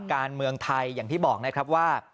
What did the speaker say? การเมืองไทยอย่างที่บอกนะครับว่า